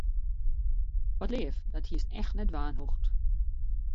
Wat leaf, dat hiest echt net dwaan hoegd.